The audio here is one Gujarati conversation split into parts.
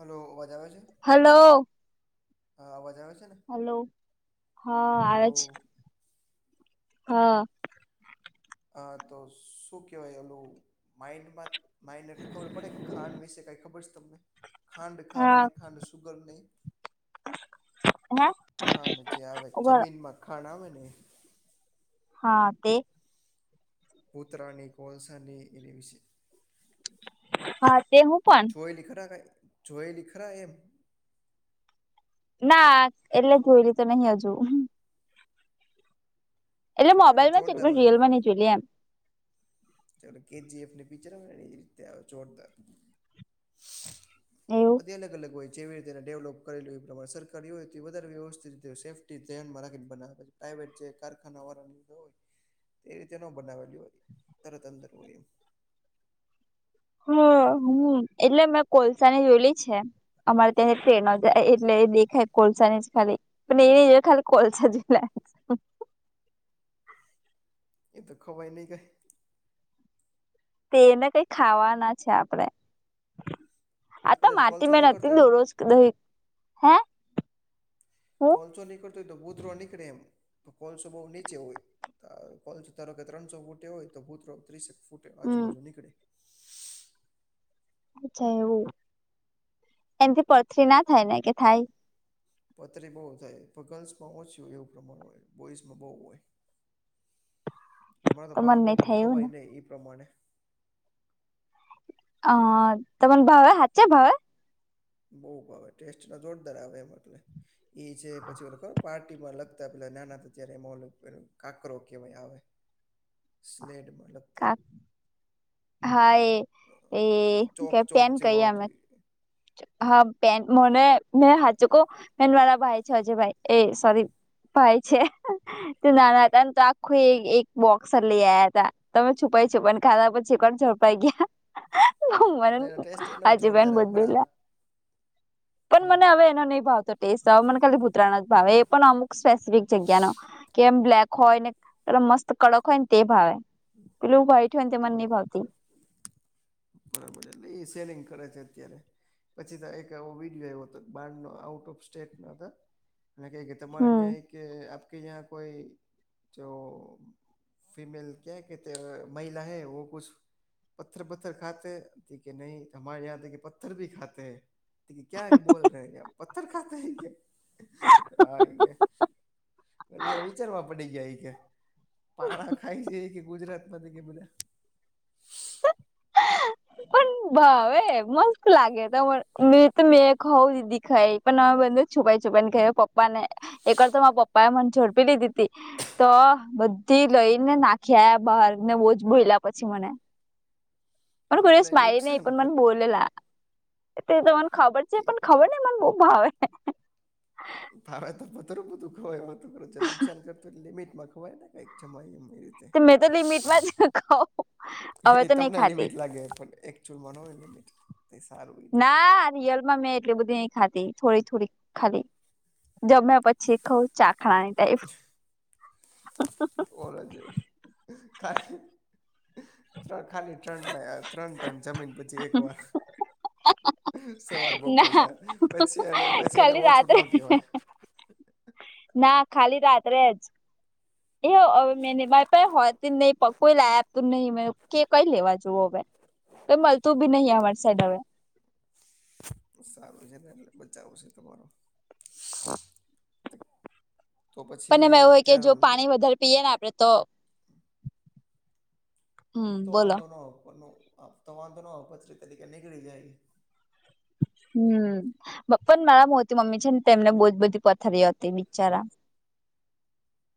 હલો અવાજ આવે છે? હલો હા અવાજ આવે છે ને, હલો હા હલો આવે છે હા. હ તો શું કહેવાય ઓલું માઈન્ડમાં માઇન એટલે ખબર પડે ખાંડ વિશે કઈ ખબર છે તમને? ખાંડ હા ખાવાની ખાંડ સુગરને હે ખાણ જે આવે ઉભા જમીનમાં ખાણ આવે ને હા તે. કૂતરાની કોલસાની એની વિશે? હા તે હું પણ જોય લખરા ક જોયેલી ખરા એમ? ના એટલે શું મને કેજ. એટલે મોબાઈલમાં છે રિયલમાં ની જોઈ એમ. જો કેજીએફને પીચર આવે ન જોરદાર એવું બધી અલગ અલગ હોય છે. જેવી રીતે એન ડેવલોપ કરેલું એ પ્રમાણે સરકારી હોય તો એન વધારે વ્યવસ્થિત રીતે સેફ્ટી ધ્યાનમાં રાખીને બનાવે પ્રઇવેટ જે કારખાનાવાળા હોય તે રીતે ન બનાવેલી હોય. તરત અંદર હો એમ. હ હમ એટલે મેં કોલસા ની જોયેલી છે. અમારે ત્યાં ટ્રેન જાય એટલે દેખાય કોલસાની જ ખાલી. પણ એને ખાલી કોલસા જલા એ તો ખવાઈ નઈ કય. તેને કઈ ખાવાના છે આપડે. આ તો કદાચ કોલસો માટીમાં નહી નથી કરતો હતી હોય તો દ રોજધ હે હું કોલસો નીકળતો હોય તો બૂધરો નીકળે એમ કોલસો બહુ નીચે હોય અ કોલસો ધારો કે ત્રણસો ફૂટે હોય તો ભૂતરો ત્રીસેક ફૂટે હમ આજુબાજુ નીકળે અચ્છા એવું, એનાથી પથરી ના થાય ને કે થાય? પથરી બહુ થાય, પણ ગર્લ્સમાં ઓછું એવું પ્રમાણ હોય બોઈસમાં બહુ હોય [inaudible] તમારા તો મન ભાવ બહુ નહી પણ થાય એવું ખવાય ભય ને એ પ્રમાણે હ તમોને ભાવે હાચ છે ભાવ? બઉ ભાવ ટેસ્ટ ન જોરદાર આવે એમ, એટલે એ છે પછી ઓ ખબર પાર્ટ પાટીમાં લગતા પેલા નાના હતા ત્યારે ઓલો કાકરો કહેવાય આવે સ્લેડ મતલબ હા એ એ ચોક કે ચોક પેન જેવું કહી અમે. આવતું અને હા પ મને મેહાચી કવ ચગો મારા ભાઈ છે હજ ભાઈ એ સોરી ભાય છે તે નાના હતા ને તો આખું એક બોક્સ જ લઇ આયા હતા. તમે છુપાય છુપાયુ ખાતા, પછી એકવાર ઝડપાઈ ગયા. હ મને એનો ટેસ્ટ એનો ય આજેબન જોરદાર આવે બોધ પણ આ ભલા પણ હા મને હવે એનો નહી ભાવતો ટેસ્ટ મને ખાલી ભુતરાનો જ ભાવે એ પણ અમુક સ્પેસિફિક જગ્યા ન કેમ બ્લેક હોય ને પે મસ્ત કડક હોય ને તે ભાવે પલું વાઈટ હોયન તે એ મને બ ની ભાવતી બરાબર એટલે એ સેલિંગ કરે છે અત્યારે. પછી તો એક એવો વિડીયો આયવો હતો બાર નો આઉટ ઓફ સ્ટેટ નો હતો અને કેક તમારે હમ્મ અહીંયા એક આપકે અહીં કોઈ જો ફિમેલ ક્યા કે મહિલા હૈ વ કછ પથ્થર પથ્થર ખાતે કે નહી હ યાદે કે પથ્થર ભી ખાતે હૈ ક્યા બોલ રહ કે પથર ખાતે કે હા એ કે વિચારવા પડી જયા એ કે પાણા ખાય છે કે ગુજરાત માંથી કે બોલ્યા પણ ભાવે મસ્ત લાગે ત મે તો મે ખઉ દીદી ખાઈ પણ અવે બંનેવ છુપાાઈ છુપાાઈને પપ્પાને એક વાર તો મા પપ્પા એ મનેઝડપી લીધી તી તો બધી લઈ ને નાખ્યા બહાર ને બોજ બોલયા પછી મને મન કોઈ દિવસ એટલે માઈરી નહી નુકસાન પણ મને કરે બોલેલા તે તો મને ખબર છે પણ ખબર ને મને બો ભાવે ભાવે તો પતરું બધું ખવાયું નુકસાન કરતું લિમિટમાં ખવાયને કઈ જમાય એ રીતે મેં તો લિમિટમાં જ ખાઉં હવે એ તો નહી તમને ખાતી લિમિટ લાગે પણ એક [unintelligible] તે સારું ના રિયલ માં મેં એટલે બધી નઈ ખાતી થોડી થોડી ખાતી જમ્યા પછી ખઉ ચાખણાની ટાઈપ ઓલો જેવું ખાલી ત્રણ ખાલી ત્રણ થયા ત્રણ ટાઈમ જમી ને પછી એક વાર સવાર બપોર ના સાંજ પછી અને પછી એને ખાલી ઓછું રાત્રે કહેવાય ના ખાલી રાત્રે જ એ હવે મે માર પાહે હોતી જ નહી કોઈ લાય આપતું નહી કે કઈ લેવા જવ હવે કઈ મળતું બી નહી અમારી સાઈડ હવે સારું છે ને એટલે બચાવું છે તમારો તો પણ એમાં પછી એવું હોય કે જો અત્યારનો પાણી વધારે પીએ ને આપડે તો [inaudible] હમ તો બોલો વાંધો ન હો પણ તો વાંધો ન હો પથરી તરીકે નીકળી જાય. હમ્મ. પણ મારા મોતી મમ્મી છે ને તેમને બહુ જ બધી પથરી હતી બિચારા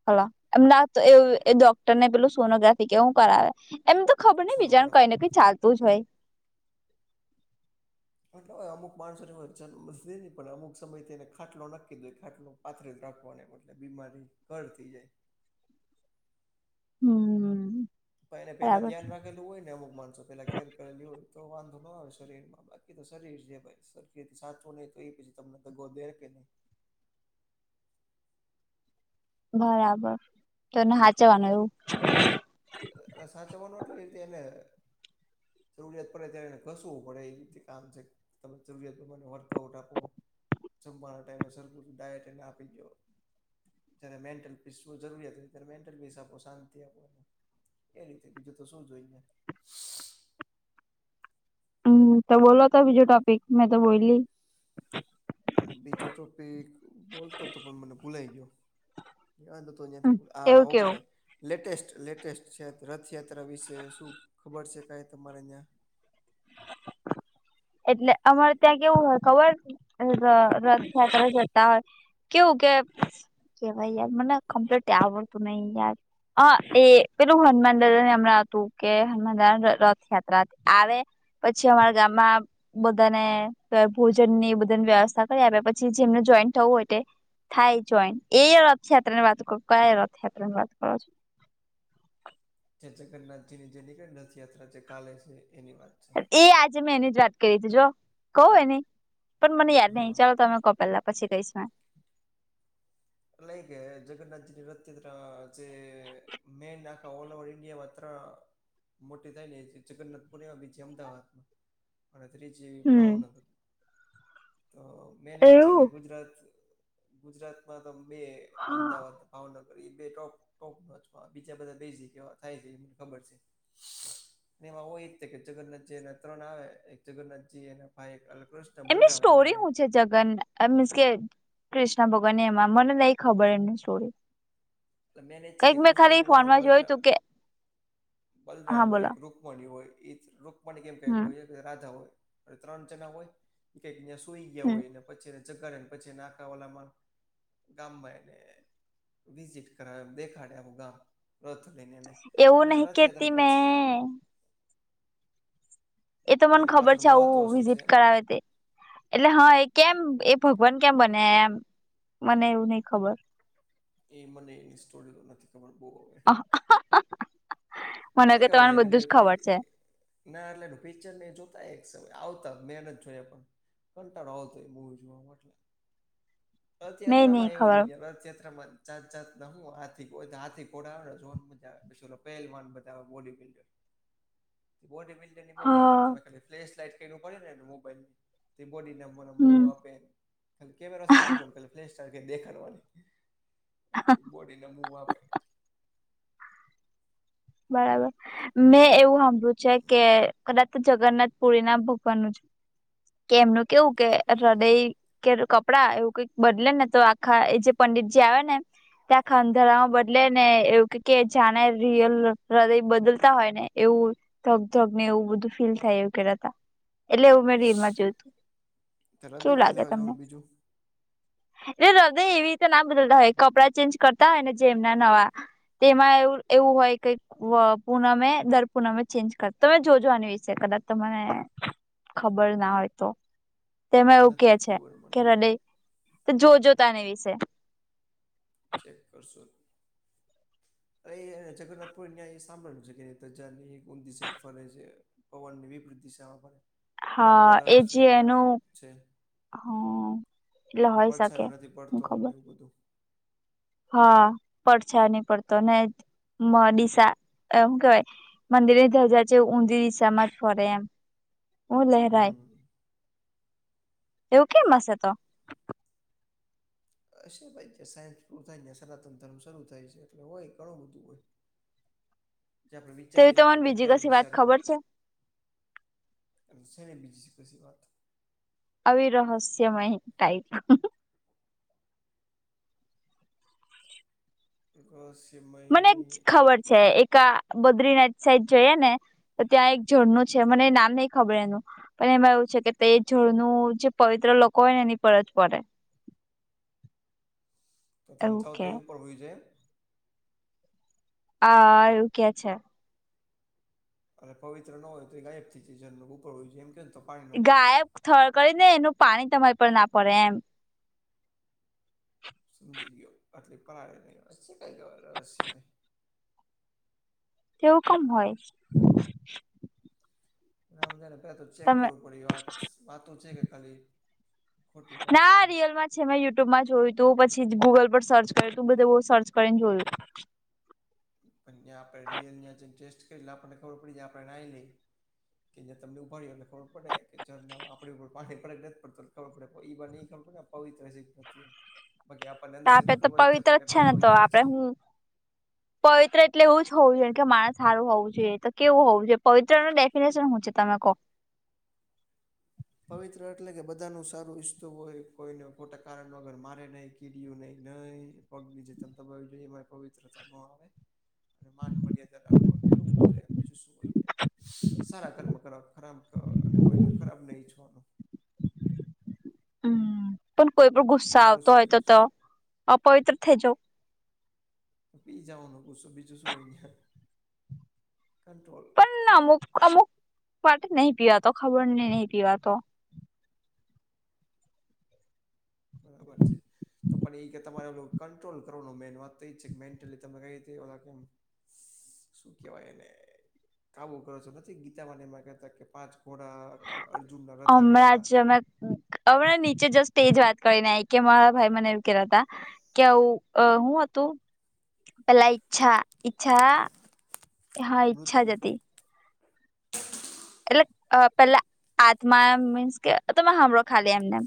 હલો એમ ના તો એ એ ડોક્ટરને પેલું સોનોગ્રાફી કે હું કરાવે એમ તો ખબર નય બીજાનું કઈ સોનોગ્રાફી ને કઈ ચાલતું જ હોય અમુક માણસો એ [unintelligible] નહી પણ અમુક સમયથી એને ખાટલો નક્કી દો એ ખાટલો પાથરે જ રાખવાની એટલે બીમારી ઘર થઈ જાય હમ્મ પણ એને પેલા ધ્યાન રાખેલું હોય ને અમુક માણસો પેલા કેર કરેલી હોય તો વાંધો ન આવે શરીર માં બાકી તો શરીર છે ભાઈ સરખી સાચવો નહી તો એ પછી તમને દગો દે કે નહીં બરાબર તો એને સાચવાનું એવું એ સાચાવનું એટલે એ રીતે એને જરૂરિયાત પડે ત્યારેને કસવું પડે એ રીતે કામ છે તમે જરૂરિયાત પ્રમાને વર્કઆઉટ આપો સંભવાના ટાઈમે સરગું ડાયટને આપી જ દયો જય્યારે મેન્ટલ પીસ જરૂરિયાત હોય ત્યારે મેન્ટલ પીસ આપપોશાંતિ આપો એ રીતે બીજું તો શું જોઈએ હમ્મ તો બોલો તી જો ટોપિક મેં તો બોયલી બીજો ટોપિક બોલતો તો પણ મને ભૂલાય ગયો [unintelligible] હા એવું કેવું ઓકે લેટેસ્ટ લેટેસ્ટ છે રથયાત્રા વિશે શું ખબર છે કઈ તમારે અહીં એટલે અમારે ત્યાં કેવું હોય ખબર રથયાત્ર જતા હોય કેવું કે કેવાય યાર મને કમ્પ્લીટ આવડતું નહીિ યાર અ એ પેલું હનુમાન દાદા હમણાં હતું કે હનુમાન દાદ રથયાત્રા આવે પછી અમારા ગામમાં બધાને ભોજન ની બધાની વ્યવસ્થા કરી આપે પછી જેમને જોઈન થવું હોય એ થાય જોઈન એ રથયાત્રા ની વાત કરો ક્યાં રથયાત્રા ની વાત કરો છો જે જગન્નાથજી ની જે નીકળે રથયાત્રા જે કાલે છે એની વાત છે એ આજે મેં એની જ વાત કરી હતી જો કવ એની પણ મને યાદ હા નહીિચાલો તમે કો પેલા પછી કઈસ એટ લ કે જગન્નાથજી ની રથયાત્રા જે મેન આ ઓલ ઓવર ઈન્ડિયા માત્ર મોટી થાય ને જગન્નાથપુર એમાં બી અમદાવાદ માં અને ત્રીજી હમ ભાવનગર તો મેનજ છે એવું અને ગુજરાત ગુજરાતમાં તો બે હા અમદાવાદ ભાવનગર એ બે ટોપ ટોપ બીજા બધા બે જગવા થાય છે એ મને ખબર છે [unintelligible] એમાં એ જ થ કે જગન્નાથજી એના ત્રણ આવે એક જગન્નાથજી એના ભાઈ એક અલકૃષ્ણ એમની સ્ટોરી શું છે જગન મીન્સ કે કૃષ્ણ ભગવાન એમાં મને નહી ખબર એમની સ્ટોરી એટલે મેન એ જ છે કઈક કે મેં કૃષ્ણ ખાલી ભગવાન એ ફોનમાં વલ જોયું તું કે હા બલરામ હોય બોલો એક રુકમણી હોય એ રૂપણી કેમ કઈક હમ હોય રાધા હોય ત્રણ જના હોયઈક સુઈ ગયા હમ હોયને પછી જગગાને પછી નાખવાલામાં ગામમાં એ વિઝિટ કર દેખાડ્યા ભગા રથ લઈને એને એવું અને નહિ કેતી રથયાત્રા પછી મેં એ તો મને એનું ખબર પાછળ છે મહત્વ આવું શું વિઝિટ છે કરાવે તે એટલે હા એ કેમ એ ભગવાન કેમ બને એમ મને એવું નહ ખબર એ મને એની સ્ટોરી નથી ખબર બહ મને નથી કે તને ખબર એને બધું જ મેં કોઈ ખબર છે ના એટલે પિક્ચર નને જોતા એક સમય આવતા મેન જોયા પણ કંટાળ આવતો એ બહ જોવા એટલે [inaudible] મેં રથયાત્રા નહી માં એવું ખબર દું રથયાત્રામાં ચાત ચાત હું હાથી હાથી કોન મજા આવે પછ પહે બોડી બિલ્ડર બોડી બિલ્ડર ની બહુ મજા આવે હા તમે ખાલી ફ્લેસ લાઈટ ક પડેનેને મોબાઈલને તે બોડીનેને મ હમ આપે કેમેરા શું ન કર ફ્લે દેખાડવાની એટ બોડીને મવ આપે બરાબર મેં એવું સાંભળ્યું છે કે કદા તો જગન્નાથ પુરી ના ભગવાનનુંું છે કે એમનું કેવું કે હૃદય કે કપડાં એવું કઈક બદલે ને તો આખા એ જે પંડિતજી આવે ને ત્યાં ખંધારમાં બદલે ને એવું કે જાણે રિયલ હૃદય બદલતા હોય ને એવું થગ ધગ ને એવું બધું ફીલ થાય એવું કેતા એટલે એવું મેં રી માં જોયું હતું હૃદય કેવું ક્યાં લાગે લેવા તમને જવાનું બીજું એટલે હૃદય એવી રીતે નામ બદલતા હોય કપડાં ચેન્જ કરતા હોય ને જે એમના નવા તેમાં એવ એવું હોય કે પૂનમે દર પૂનમે ચેન્જ કર તમે જોજો આની વિશે કદાચ તને ખબર ના હોય તો તેમાં એવું કે નથી જ છે ખબર કે મને હદય જોજો તને વિશે ચેક કરશો અરે એ જગન્નાથ પુર્ણ એ સાંભળું છે કેની દસે એક ફર છે પવનની વિવૃધિશમાં પડે ઘણા હા બધા એ રહસ્યો જે અિયાં એનું છે હ એટલે એ હોય પડશે શકે એ નથી હું પડતો મને ખબર એવું બધું હા પડછા નની પડતો ને દિસા એમ કેવાય મંદિર ની ધજા છે ઊંધી દિશામાં જ ફરે એમ હું લેરાય હમ એવું કેમ હશે તો હશે ભાઈ જે સાયન્સ પૂરું થાય ને સનાતન ધર્મ શરૂુ થાય છે એટલે હોય ઘણું બધું હોય [inaudible] જે પર તેવી વિચારીવી તો નહીં મને કરતાં બીજી ક્યાય કશી વાત વિશાળ હોય ખબર છે એ છે ને બીજીસી કછસી વાત તો આવીિ રહહસ્યમય ટાઈ એ સિમ મને ખબર છે એક બદ્રીનાથ સાઈડ જોઈએ ને તો ત્યાં એક જોડનુંું છે મને નામ નહ ખબર એનું પણ એમાં એવું છે કે તે જોડનું જે પવિત્ર લોકો હોય ને એની પરજ પડે [inaudible] તો સમજાવ તો એવું પણ હોયું છે આ એવું કે છે અરે પવિત્ર ન હોય તો એ ગાયબથી જરનું ઉપર હોય જો છે એમ કે તો પાણી ન પડે ગાય થળ કરી ને એનું પાણી તમારી પર ના પડે એમ સમજી ગયો આટલી પરાળે નહી છે કઈ ગવાર છે તેવું કમ હોય આમ જાય ને પેલા તો ચેક તમે કરવું પડી્યું વાત વાત છે કે ખાલી ખોટી વાત છે ના એમ રિયલમાં પ મેં યુટ્યુબમાં જોયું હતું પછી ગુગલ પર સર્ચ કર્યું તું બધું બહુ સર્ચ કરીને જોયું પણ્યાં આપણે રિયલ્યા ટેસ્ટ કરી આપણને ખબર પડી જાય આપડણે ના લઈ કે જે તમને ઉાડી હો એટ ખબર પડે કે રમાં આપણી ઉપર પાણી પડે નથી જ પડ ખબર પડે ઈ બાર નઈ ખબ પડે પવિત્ર શીખતી બાકી આપ આપે તો પવિત્ર જ છે ને તો આપડે હું પવિત્ર એટલે એવું જ હોવ જોઈએ કે માણસ સારું હોવું જોઈએ તો કેવું હોવું જોઈએ પવિત્ર ન ડેફિનેશન શું છે તમે કહો પવિત્ર એટલે કે બધા ન સારું ઈચસ્તું હોય કોઈને ખોટા કારણ વગર મારે નહી કીર્યું નહી નહીિ પગની જે ચતાબાવવી જોઈએ એ પવિત્ર જમ આવે અને માન મર્યાદા રાખવાનુંને એવું બધું એમીું શું હોય સારા કર્મ કરો ખરાબ કર અને કોઈ ન ખરાબ નહીિઈ છવાનું હમ પણ કોઈ પણ ગુસ્સા તમારું આવતો શું હોય તો કેવું તો છે અપવિત્ર થઈજાવ તો પી જાઓનું બ શ બીજું શું હોને કંટ્રોલ અમુક અમુક માટે નહી પીવાતો ખબર નહી નહીિ પીવાતો બરાબર છે તો પણ એ કે તમારે એું કંટ્રોલ કરવાનું મેન વાત તો એ છે કે મેન્ટલી તમે કઈ રીતે કેમ શું કેવાય એને કાબુ કરો છો નથી ગીતામાંનેમાં કતા કે પાંચ થોડા અર્જુનના રથ ગર હતા તમે અ નીચે જ સ એજ વાત કરીને આ કે મારા ભાઈ મને એવું કેલા હતા કેવું હું હતું પેલા ઈચ્છા ઈચ્છા હા ચ્છા જ મૃત્યુ હતી એટલે પેલા આત્મા મીન્સ કે તમે હમળો ખાલી એમનેમ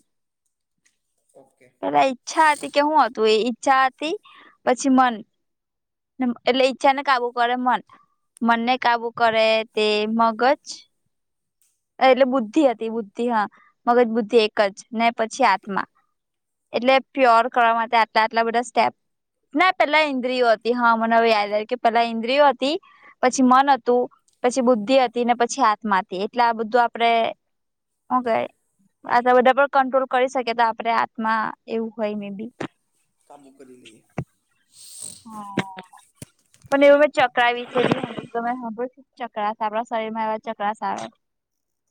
હા પેલા ઈચ્છા હતી કે હું હતું એ ઈચ્છા હતી પછી મન એટલે ઈચ્છા ને કાબુ કરે મન, મનને કાબુ કરે તે મગજ એટલે બુદ્ધિ હતી બુદ્ધિ હા મગજ બુદ્ધિ એક જ ને પછી આત્મા એટલે પ્યોર કરવા માટે હટા આટલા બધા સ્ટેપ ના પેલા ઇન્દ્રિયો હતી હા મનેવે યાદ કે પેલા ઇન્દ્રિયો હતી પછી મન હતું પછી બુદ્ધિ હતી ને પછી આાત્મા હતી એટલે આ બધું આપડે હ કઈ આ બધા પણ કંટ્રોલ કરી શકે તો આપણે આત્મા એવું હોય મે બી કાબુ કરીલી હ પણ એવું બ ચકરાાવ છે ત ચક્રસ આપણા શરીર માંવા ચક્રસ આવે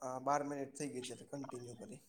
હ બાર મિનિટ થઇ ગઈ છે એટલે કન્ટિન્યુ કરી